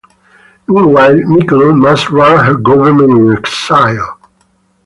Meanwhile, Mickle must run her government in exile.